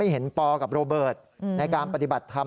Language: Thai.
เห็นปกับโรเบิร์ตในการปฏิบัติธรรม